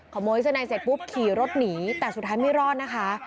ขโมยเสื้อในเสร็จปุ๊บขี่รถหนีแต่สุดท้ายไม่รอดนะคะ